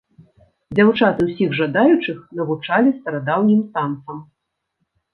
Дзяўчаты ўсіх жадаючых навучалі старадаўнім танцам.